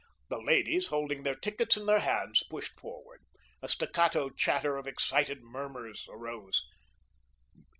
The ladies, holding their tickets in their hands, pushed forward. A staccato chatter of excited murmurs arose.